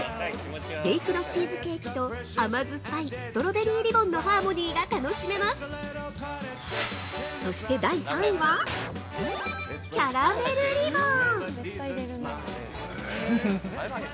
ベイクドチーズケーキと甘酸っぱいストロベリーリボンのハーモニーが楽しめますそして第３位はキャラメルリボン。